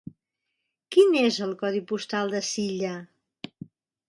Quin és el codi postal de Silla?